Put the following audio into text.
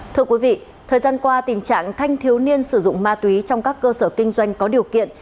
thưa quý vị thời gian qua tình trạng thanh thiếu niên sử dụng ma túy trong các cơ sở kinh doanh có điều kiện